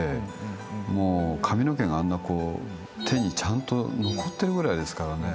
髪の毛があんな手にちゃんと残ってるぐらいですからね。